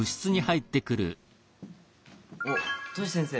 あっトシ先生。